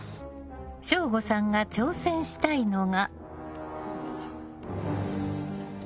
省吾さんが挑戦したいのが。